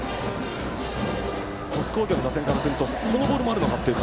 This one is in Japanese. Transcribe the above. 鳥栖工業打線からするとこのボールもあるのかという。